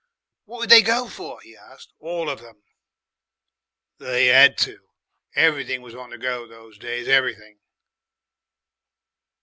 "What did they go for?" he asked, "all of 'em?" "They 'AD to. Everything was on the go those days everything."